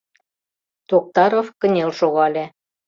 Токтаров кынел шогале.